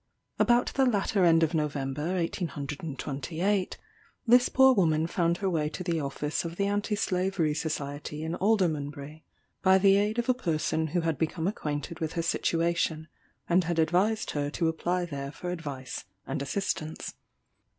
About the latter end of November, 1828, this poor woman found her way to the office of the Anti Slavery Society in Aldermanbury, by the aid of a person who had become acquainted with her situation, and had advised her to apply there for advice and assistance.